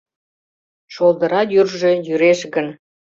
Шолдыра йӱржӧ йӱреш гын